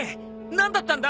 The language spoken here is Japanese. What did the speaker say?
何だったんだ！？